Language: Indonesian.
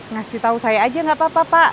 ngasih tau saya aja gak apa apa pak